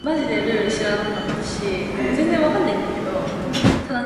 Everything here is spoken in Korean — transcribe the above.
그리고 겨울날 산뜻한 바람이 그들의 옷가를 싸늘하게 스친다.